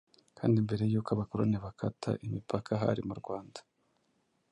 kandi mbere yuko abakoloni bakata imipaka hari mu Rwanda.